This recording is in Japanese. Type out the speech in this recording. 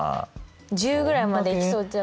１０ぐらいまで行きそうじゃ。